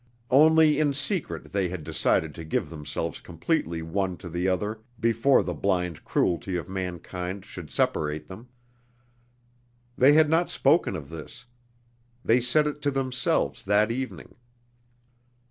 Only, in secret they had decided to give themselves completely one to the other before the blind cruelty of mankind should separate them. They had not spoken of this. They said it to themselves that evening.